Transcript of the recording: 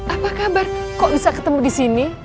apa kabar kok bisa ketemu disini